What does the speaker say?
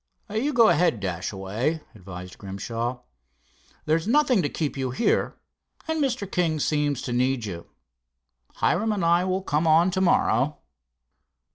"You go ahead, Dashaway," advised Grimshaw. "There's nothing to keep you here, and Mr. King seems to need you. Hiram and I will come on to morrow."